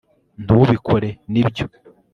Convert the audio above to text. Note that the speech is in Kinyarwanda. ntubikore, nibyo